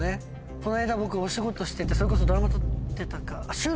この間僕お仕事しててそれこそドラマ撮ってたか。